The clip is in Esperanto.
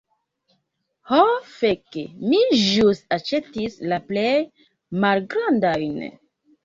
Ho fek, mi ĵus aĉetis la plej malgrandajn.